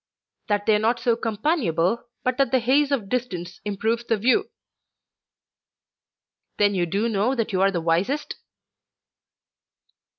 "That they are not so companionable but that the haze of distance improves the view." "Then you do know that you are the wisest?"